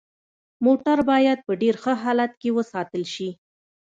موټر باید په ډیر ښه حالت کې وساتل شي